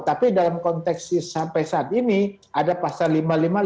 tapi dalam konteks sampai saat ini ada pasal lima ratus lima puluh lima